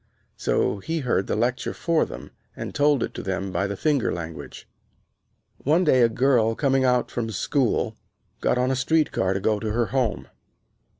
So he heard the lecture for them and told it to them by the finger language. One day a girl, coming out from school, got on a street car to go to her home.